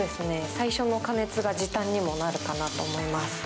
最初の加熱が時短にもなるかなと思います。